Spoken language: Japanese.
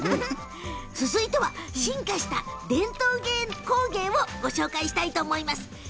続いては進化した伝統工芸もご紹介したいと思います。